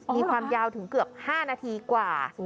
มีความยาวถึงเกือบ๕นาทีกว่า